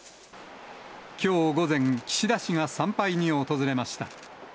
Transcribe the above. きょう午前、岸田氏が参拝に訪れました。